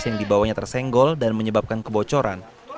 yang dibawanya tersenggol dan menyebabkan kebocoran